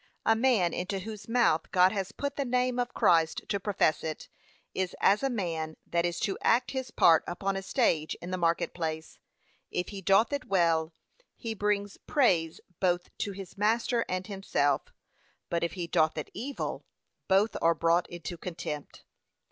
A man into whose mouth God has put the name of Christ to profess it, is as a man that is to act his part upon a stage in the market place; if he doth it well, he brings praise both to his master and himself; but if he doth it ill, both are brought into contempt.